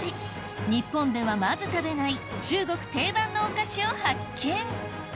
日本ではまず食べない中国定番のお菓子を発見